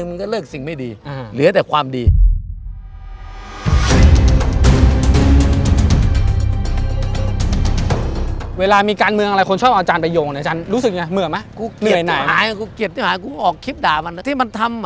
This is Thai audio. มันก็เป็นการตลาดแล้วเข้าใจไหม